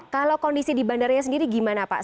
kalau kondisi di bandara sendiri gimana pak